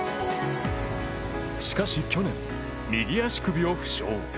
しかし去年、右足首を負傷。